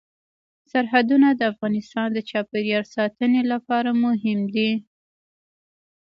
سرحدونه د افغانستان د چاپیریال ساتنې لپاره مهم دي.